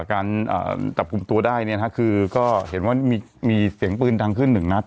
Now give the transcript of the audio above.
การจับกลุ่มตัวได้เนี่ยนะคือก็เห็นว่ามีเสียงปืนดังขึ้นหนึ่งนัด